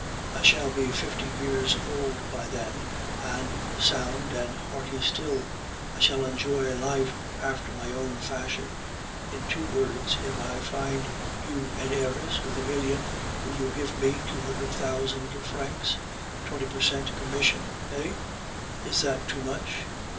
I shall be fifty years old by then, and sound and hearty still; I shall enjoy life after my own fashion. In two words, if I find you an heiress with a million, will you give me two hundred thousand francs? Twenty per cent commission, eh? Is that too much?